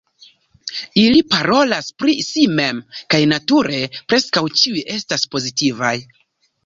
Ili parolas pri si mem, kaj nature preskaŭ ĉiuj estas pozitivaj.